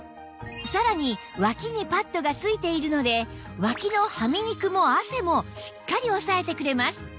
さらにワキにパットが付いているのでワキのはみ肉も汗もしっかりおさえてくれます